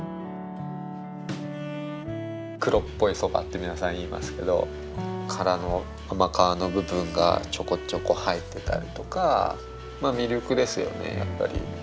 黒っぽい蕎麦って皆さん言いますけど殻の甘皮の部分がちょこちょこ入ってたりとか魅力ですよねやっぱり。